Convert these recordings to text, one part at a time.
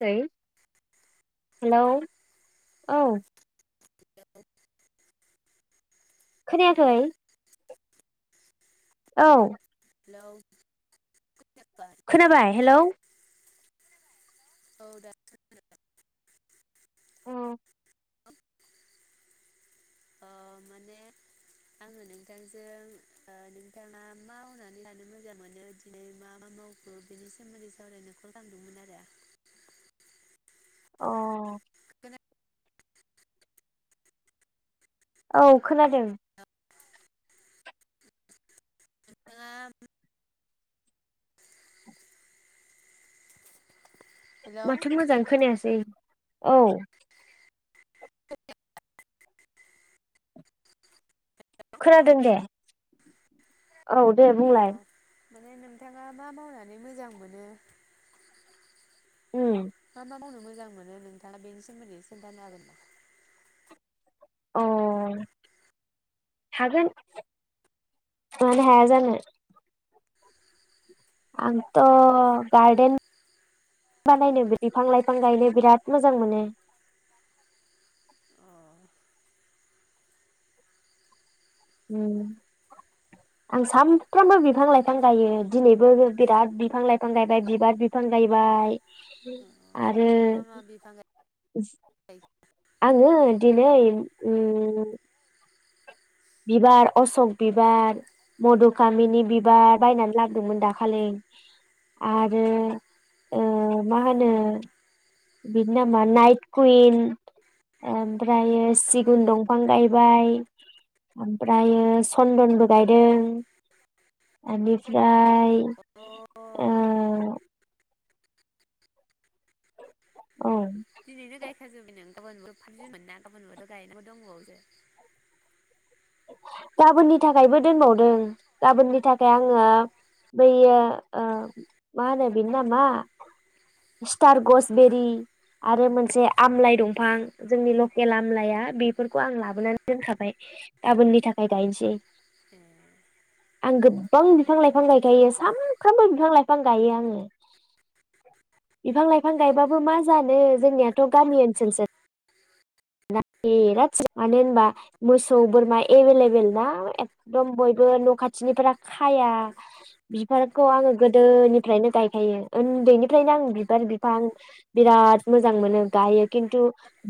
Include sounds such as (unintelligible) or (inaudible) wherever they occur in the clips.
(unintelligible) Hello औ (unintelligible) hello खोनायाखै? औ। हेलौ खोनाबाय हेलौ औ दासो खोनादों। अ अ माने आङो नोंथांजों ओ नोंथाङा मा मावनानै लानो मोजां मोनो दिनै मा मा मावखो बिनि सोमोन्दै सावरायनो कल खामदोंमोन आरो अ औ खोनादों। नोंथाङा हेलौ माथो मोजां खोनायासै। औ। खोनादों दे। औ दे अ बुंलाय। माने नोंथाङा मा मावनानै मोजां मोनो? उम मा मा मावनो मो जां मोनो नोंथाङा बेनि सोमोन्दै एसे खोन्थानो हागोन नामा? अ हागोन। मानो हाया जानो। आंथ' गार्डेन बानायनो बिफां लाइफां गायनो बिराद मोजां मोनो। अ ओम आं सानफ्रामबो बिफां लाइफां गायो। दिनैबो बिराद बिफां लाइफां गायबाय बिबार बिफां गायबाय। आरो मा मा बिफां गाय आङो? दिनै? उम बिबार अशक बिबार, मधुकामिनि बिबार बायनानै लाबोदोंमोन दाखालि अ आरो ओ मा होनो बिनि नामा नाइट कुइन ओमफ्रायो सिगुन दंफां गायबाय। ओमफ्रायो चन्दनबो गायदों एनिफ्राय ओ औ दिनैनो गाय खा जोबबाय नों गाबोनबो फाइफ जुनमोन ना गाबोनबोथ' गायनांगो दंबावोसो गाबोननि थाखायबो दोनबावदों। गाबोननि अ थाखाय आङो बैयो ओ मा होनो बेनो नामा स्टार गसबेरि आरो मोनसे आमलाइ दंफां जोंनि लकेल आमलाया बेफोरखौ आं लाबोनानै दोनखाबाय। गाबोननि थाखाय गायनोसै। ए आं गोबबां बिफां उम लाइफां गायखायो सानफ्रामबो बिफां लाइफां गायो आङो। बिफां लाइफां गायबाबो मा जानो जोंनियाथ' गामि ओनसोलसो मानो होनबा मोसौ बोरमा एभेलेबेल ना एखदम बयबो न' खाथिनिफोरा खाया बिबारखौ आङो गोदोनिफ्रायनो गायखायो उन्दैनिफ्रायनो आं बिबार बिफां बिराद मोजां मोनो गायो खिन्थु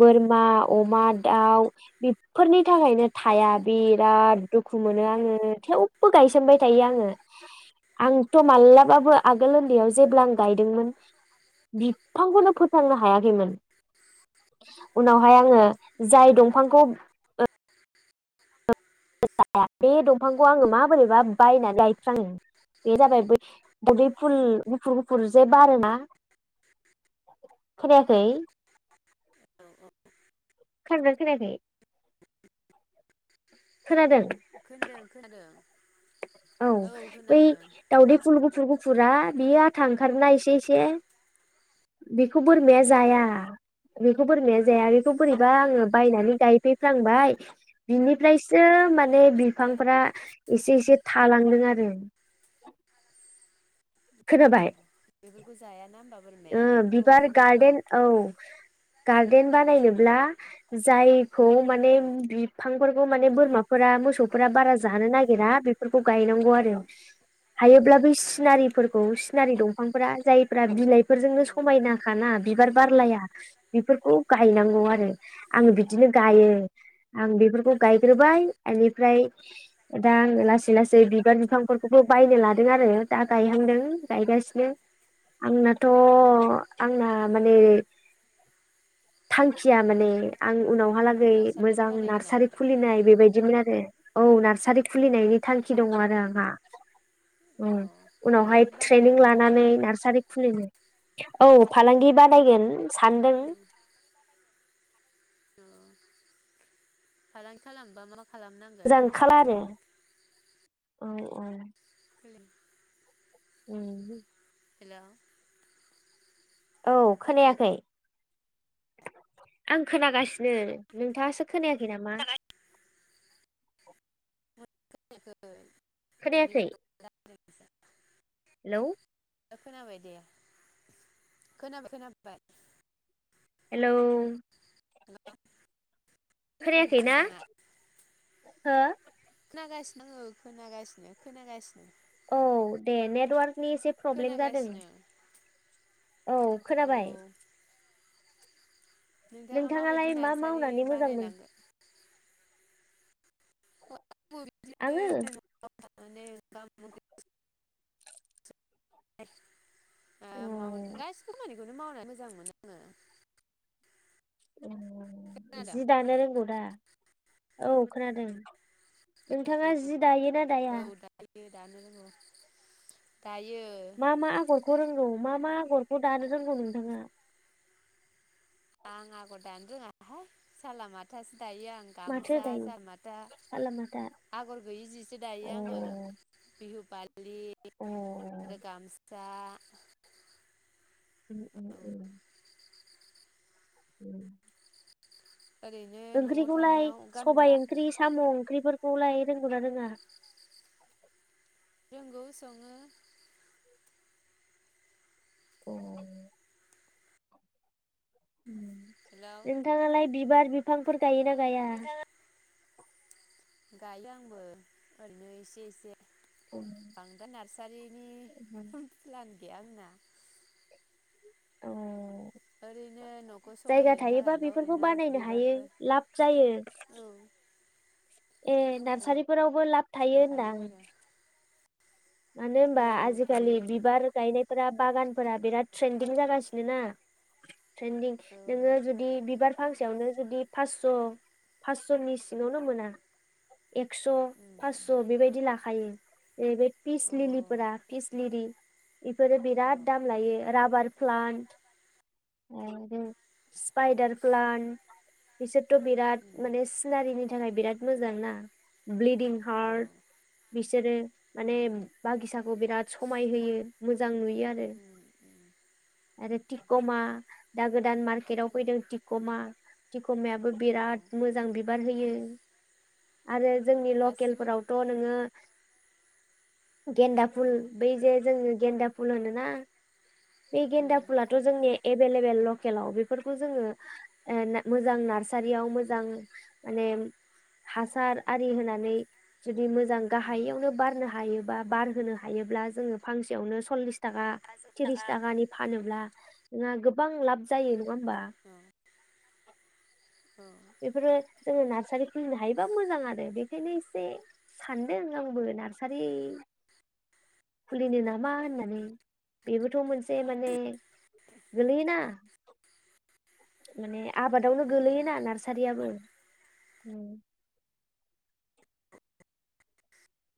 बोर मा अमा दाउ बेफोरनि थाखायनो थाया बिराद दुखु मोनो आङो। थेवबो गायसोमबाय थायो आङो आंथ' मालाबाबो आगोल उन्दैयाव जेब्ला आं गायदोंमोन बिफांखौनो फोथांनो हायाखैमोन। उनावहाय आङो औ जाय दंफांखौ ओ जाया बे दंफांखौ आङो माबोरैबा बायनानै गायफ्राङो बे जाबाय गदै फुल गुफुर गुफुर जे बारोना। खोनायाखै? औ खोनादो ना खोनायाखै? खोनादों? खोनादों खोनादों। औ बै दावदै फुल गु गुफुर गुफुरा बियो आथा ओंखारोना एसे एसे बिख खौ बोरमाया औ जाया। बेखौ बोरैमाया जाया बेखौ बोरैबा आङो बायनानै गायफैफ्लांबाय बिनिफ्रायसो मान बे बिफांफ्रा एसे-एसे। थालांदों आरो। खोनाबाय। बेफोरखौ जायाना? बोरमाया ओयो औ बिबार खोनादों गार्डेन औ। गार्देन बानायनोब्ला जाय खौ माने औ बिब फांफोरखौ माने बोरमाफोरा मोसौफोरा बारा जानो नागिरा बिफोरखौ गायनांगौ आरो। हायोब्ला बै औ सिनारिफोरखौ सिनारि दं फांफोरा जायफोरा बिलाय फोरजोंनो समायनाखाना बिबार बारलाया। खुस बिफोर खौ औ गायनांगौ आरो आं बि दिनो गायो। आं बेफोरखौ गायग्रोबाय एनिफ फ्राय दा आङो लासै लासै बिबार बिफांफोरखौबो बायनो लादों आरो दा गायहांदों गायगासिनो आंना थ' आंना माने थांखिया माने आं उनावहालागै नार्सारि मोजां बानायगोन नार्सारि नामा खुलिनाय बेबायदिमोन आरो। औ नारस सारि अ खुलिनायनि थांखि दङ आरो आंहा। अ उम उनावहाय फालांगि ट्रेनिं बानायलांगोन नामा लानानै नार्सारि खुलिनो औ फालांगि बानायगोन। सानदों ओयो फालांगि खालामनोबा मा म खालामनांगोन मोजां ओंखारला नार्सारि (inaudible) आरो औ औ। (unintelligible) उमहु। हेलौ। औ खोनायाखै आं खोनागासिनो नोंथाङासो खोनायाखै नामा खोनायाखै खोनायाखै (unintelligible) (inaudible) हेलौ खोनाबाय दे खोनाबाय खोनाबाय हेलौ हेल खोनायाखै ना हो खोनागासिनो आं खोनागासिनो खोनागासिनो औ दे नेटवारक नि एसे प्रब्लेम जादों खोनागासिनो औ औ खोनाबाय नोंथाङा नोंथाङालाय माबायदि मा नार्सारि मावनानै मोजां मोनो बानायलांगोन आङो (unintelligible) ए (inaudible) (unintelligible) बेखौनो मावनाय मोजां मोनो आङो खोनादों जि दानो रोंगौ दा? औ खोनादों नोंथाङा जि दायोना दाया औ दायो दानो रोङो मा - मा आगरखौ रोंगौ मा - मा गरखौ दानो रोंगौ नोंथाङा आं आगर दानो रोङाहाय साला माथासो दायो आं माथो गामसा दायो जामाथा सालामाथा आगर गैयि जिसो अ दायो आङो बिहु फालि अ आरो गामसा उम उम उम उम ओरैनो न'आव ओंख्रिखौलाय थानायाव सबाय गानग्रा ओंख्रि साम ओंख्रिफोर खौलाय रोंगौना रोङा रोंगौ सङो अ हेलौ ओम नोंथाङा लाय बिबार बिफांफोर गायो ना गाया? गायो आंबो ओरैनो एसे एसे। अ बांद्राय नार्सारिनि फुल-फुलान बे आंना अह ओरै जायगा थायोबा बेफोरखौ बानायनो हायो बिबारफोर लाब जायो। औ ए औ नार्सारिफोरावबो लाब थायो औ हायो होनदां। आरो मानो होमबा औ आजिखालि थायो बिबार गायनाय फोरा बागानफोरा बिराद ट्रेन्दिं जागासिनो ना। ट्रेनदिं औ नोङो उम जुदि बिबार फांसेयावनो जुदि फासस' फासस'नि सिङावनो मोना। एक्स' उम फासस' बेबायदि ला खायो बे फिस अ औ लिलिफोरा फिसलिरि इफोरो उम औ बिराद दाम लायो। राबार प्लान्ट आरो स्पाइदार प्लान्ट बिसोर थ' बिराद माने सिनारिनि थाखाय बिराद मोजां ना। ब्लिडिं औ हार्ट बिसोरो उम बागिसाखौ बिराद समाय होयो मो जां नुयो आरो उम आरो टिक'मा दा गोदान मार्केटाव फैदों टिक' मायाबो औ बिराद मोजां बिबार हो यो आरो जोंनि गासिबो लकेलफोरावथ' नोंङो गेन्दा फुल औ बै जे जोङो गेन्दा फुल होनोना बे उम गेन्दा फुलाथ' जोंनि एबेले बेल लकेलाव बेफोरखौ जोंङो ओ मोजां नारयाव मोजां माने हासार आरि होनानै मोजां उम गाहायायावनो बारनो हायोबा बार होनो हायोब्ला जों फांसेयावनो सललिस थाखा औ थ्रिस औ थाखानि फानोब्ला नोंङा गोबां लाब जायो। नंङा होमबा बेफोरो जोङो नार्सारि खुलिनो हायोबा मोजां आरो बेखायनो एसे सानदों आंबो नार्सारि खुलिनो नामा होननानै बेबोथ' मोनसे माने गोलैयोना माने आबादावनो औ गोलैयोना नार सारियाबो उम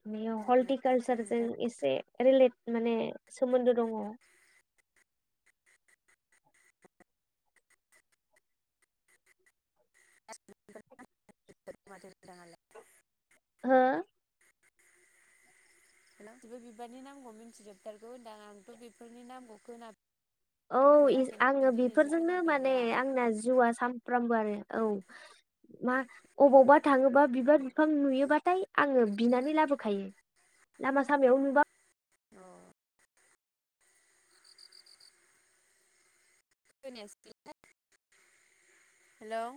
(unintelligible) हल्टिकालसारजों नोंथां एसे रिलेट माने सोमोन्दो दङ। (inaudible) (inaudible) हो हेल' गासिबो बिबारनि नामखौ मिथिजोबथारगौ होना आंथ' बेफोरनि नामखौ खोना औ आङो बेफोरजोंनो माने खोनाफेरबाय आं आंना जिउआ सामफ्रामबो आरो। औ मा अबावबा थाङोबा बिबार बिफां नुयोबा (unintelligible) आङो बिनानै लाबोखायो लामा सामायाव नुबा औ (inaudible) हेलौ